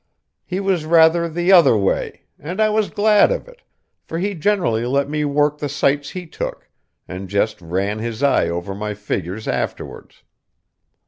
He was rather the other way, and I was glad of it, for he generally let me work the sights he took, and just ran his eye over my figures afterwards.